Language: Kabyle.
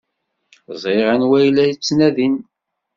Ẓriɣ anwa ay la ttnadin.